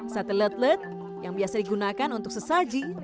sate let let yang biasa digunakan untuk sesaji